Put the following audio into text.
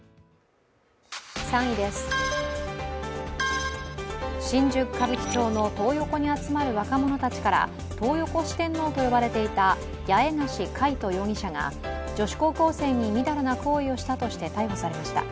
３位です、新宿・歌舞伎町のトー横に集まる若者たちからトー横四天王と呼ばれていた八重樫海渡容疑者が女子高校生に淫らな行為をしたとして逮捕されました。